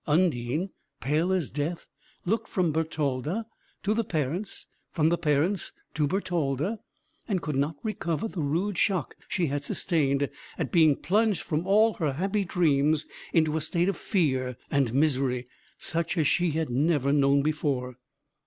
Undine, pale as death, looked from Bertalda to the parents, from the parents to Bertalda, and could not recover the rude shock she had sustained, at being plunged from all her happy dreams into a state of fear and misery, such as she had never known before.